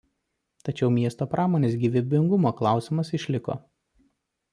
Tačiau miesto pramonės gyvybingumo klausimas išliko.